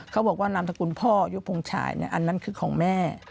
เขาบอกว่านามสกุลพ่อยุคพงศัยอันนั้นคือของแม่